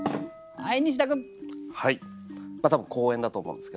はい。